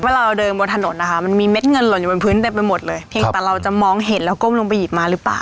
เมื่อเราเดินบนถนนนะคะมันมีเม็ดเงินหล่นในบนพื้นเต็บไปหมดเลยครับเพราะเราจะมองเห็นแล้วก้มลงไปหยิบมารึเปล่า